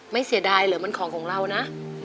ไม่เสียดายเหลือมันของเรานะ